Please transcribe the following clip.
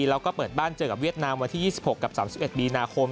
แล้วก็เปิดบ้านเจอกับเวียดนามวันที่๒๖กับ๓๑มีนาคม